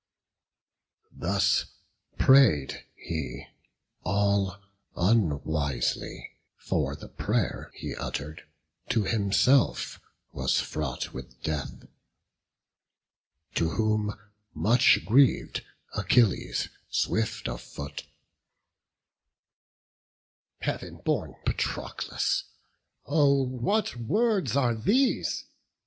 Thus pray'd he, all unwisely; for the pray'r He utter'd, to himself was fraught with death; To whom, much griev'd, Achilles, swift of foot: "Heav'n born Patroclus, oh, what words are these!